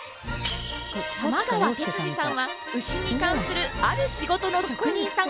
玉川哲司さんは牛に関するある仕事の職人さん。